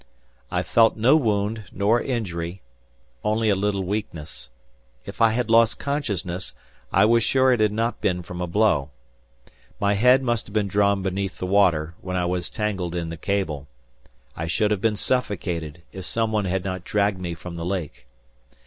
I felt no wound nor injury, only a little weakness. If I had lost consciousness, I was sure it had not been from a blow. My head must have been drawn beneath the water, when I was tangled in the cable. I should have been suffocated, if someone had not dragged me from the lake.